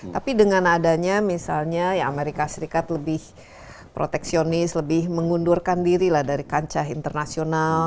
tapi dengan adanya misalnya ya amerika serikat lebih proteksionis lebih mengundurkan diri lah dari kancah internasional